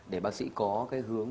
để bác sĩ có cái hướng